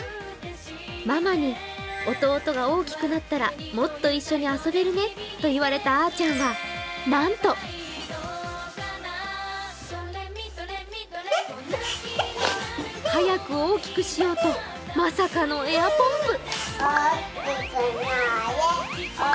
ママに、弟が大きくなったらもっと一緒に遊べるねと言われたあーちゃんはなんと早く大きくしようとまさかのエアポンプ。